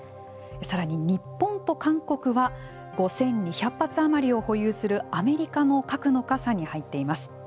さらに日本と韓国は５２００発余りを保有するアメリカの核の傘に入っています。